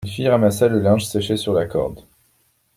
Une fille ramassa le linge séché sur la corde.